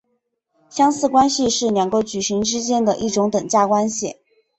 相似关系是两个矩阵之间的一种等价关系。